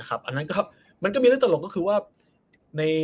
อันนั้นมันก็มีเรื่องตลกก็คือว่า